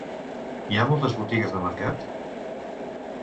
Hi ha moltes botigues de mercat?